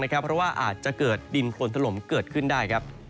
เพราะว่าอาจจะเกิดดินโคนถล่มเกิดขึ้นได้